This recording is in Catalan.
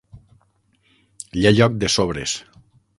Hi ha lloc de sobres.